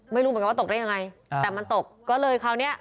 ไม่รู้เหมือนกันว่าตกได้ยังไงแต่มันตกก็เลยคราวเนี้ย